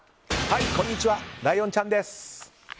こんにちはライオンちゃんです。